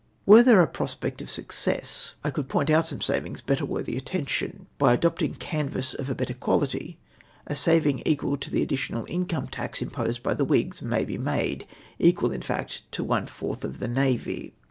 Were there a prospect of success, I could point out some savings better worthy attention. By adopting canvass of a better quality, a saving equal to the additional income tax imposed by the ^^^ligs may be made, equal, in fact, to one fourth of the Navy.